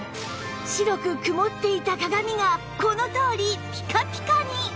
白く曇っていた鏡がこのとおりピカピカに